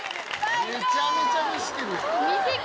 めちゃめちゃ見してる。